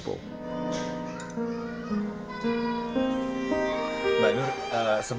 namun dia juga bisa menemukan banyak lansia di jomblo